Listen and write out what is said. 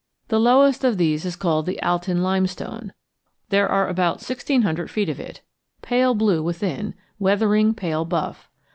The lowest of these is called the Altyn limestone. There are about sixteen hundred feet of it, pale blue within, weathering pale buff.